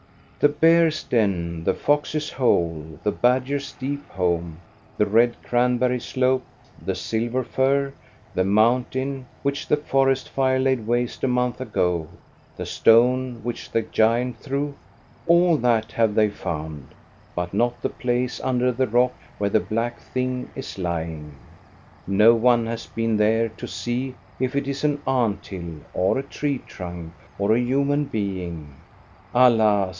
The bear's den, the fox's hole, the badger's deep home, the red cranberry slope, the silver fir, the mountain, which the forest fire laid waste a month ago, the stone which the giant threw, — all that have they found, but not the place under the rock where the black thing is lying. No one has been there to see if it is an ant hill, or a tree trunk, or a human being. Alas!